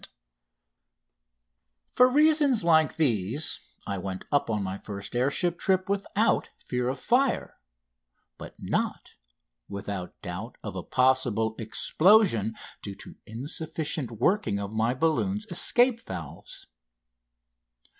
9" CATCHES FIRE OVER THE ILE DE PUTEAUX] For reasons like these I went up on my first air ship trip without fear of fire, but not without doubt of a possible explosion due to insufficient working of my balloon's escape valves.